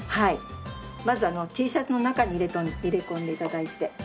まずＴシャツの中に入れ込んで頂いて。